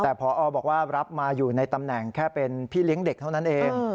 แต่พอบอกว่ารับมาอยู่ในตำแหน่งแค่เป็นพี่เลี้ยงเด็กเท่านั้นเอง